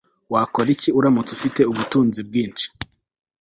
Wakora iki uramutse ufite ubutunzi bwinshi